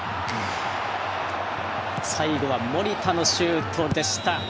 最後は守田のシュートでした。